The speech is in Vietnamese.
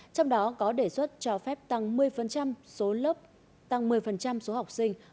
trong đó có đề xuất cho phép tăng một mươi số học sinh